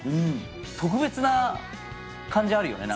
特別な感じあるよね。